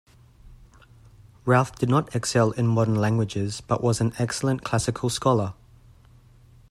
Routh did not excel in modern languages but was an excellent classical scholar.